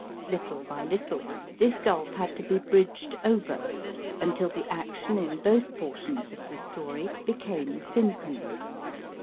Little by little this gulf had to be bridged over until the action in both portions of the story became synchronous.